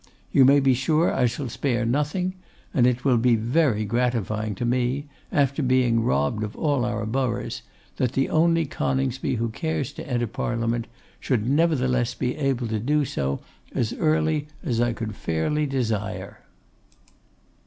You may be sure I shall spare nothing: and it will be very gratifying to me, after being robbed of all our boroughs, that the only Coningsby who cares to enter Parliament, should nevertheless be able to do so as early as I could fairly desire.